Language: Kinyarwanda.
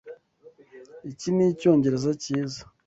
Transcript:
Iki nicyongereza cyiza?